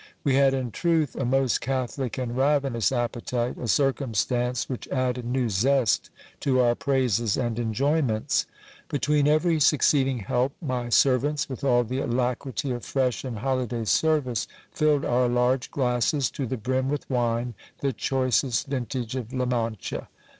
We had in truth a most catholic and ravenous appetite ; a circumstance which added new zest to our praises and enjoyments. Between every succeeding help my servants, with all the alacrity of fresh and holiday service, filled our large glasses to the brim with wine, the choicest vintage of La Mancha.